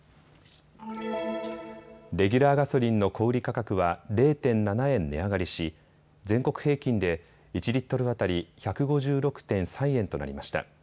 レギュラーガソリンの小売価格は０．７円値上がりし全国平均で１リットル当たり１５６．３円となりました。